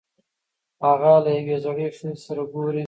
هغه له یوې زړې ښځې سره ګوري.